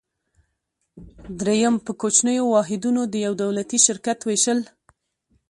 دریم: په کوچنیو واحدونو د یو دولتي شرکت ویشل.